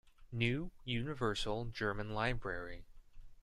New Universal German Library.